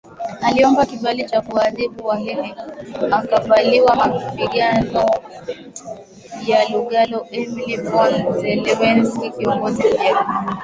aliomba kibali cha kuwaadhibu Wahehe akakubaliwaMapigano ya Lugalo Emil von Zelewski kiongozi Mjerumani